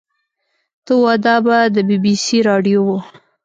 ته وا دا به د بي بي سي راډيو وه.